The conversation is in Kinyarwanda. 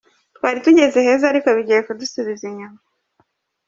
Twari tugeze heza ariko bigiye kudusubiza inyuma.